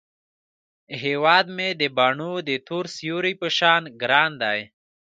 هیواد مې د بڼو د تور سیوري په شان ګران دی